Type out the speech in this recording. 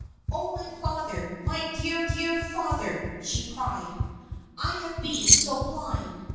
"Oh, my Father! My dear, dear Father!" she cried. "I have been so blind!